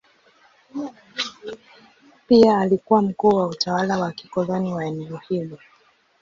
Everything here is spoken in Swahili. Pia alikuwa mkuu wa utawala wa kikoloni wa eneo hilo.